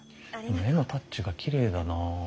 絵のタッチがきれいだなあ。